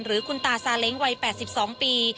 หรือคุณตาซาเล้งวัย๘๒ปี